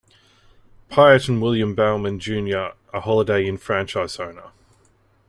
Pyatt and William Bowman Junior a Holiday Inn franchise owner.